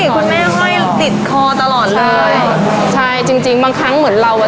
คุณแม่ห้อยติดคอตลอดเลยใช่จริงจริงบางครั้งเหมือนเราอ่ะ